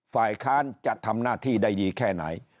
ฝ่ายค้านจะทำหน้าที่ได้ดีแค่ไหน